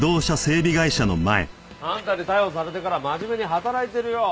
あんたに逮捕されてから真面目に働いてるよ。